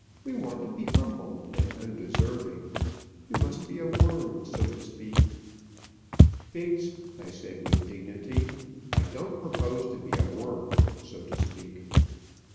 We want to be humble and undeserving. You must be a worm, so to speak." "Biggs," I said, with dignity, "I don't propose to be a worm, so to speak."